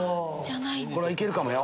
これはいけるかもよ。